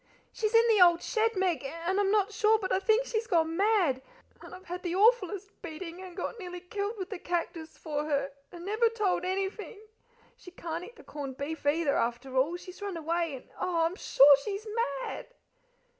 "She's in the old shed, Meg, and I'm not sure, but I think she's gone mad; and I've had the awfullest beating, and got nearly killed with the cactus for her, and never told anything. She can't eat the corned beef, either, after all. She's run away and oh, I'm sure she's mad!"